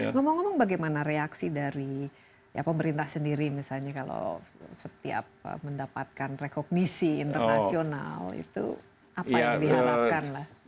ngomong ngomong bagaimana reaksi dari pemerintah sendiri misalnya kalau setiap mendapatkan rekognisi internasional itu apa yang diharapkan lah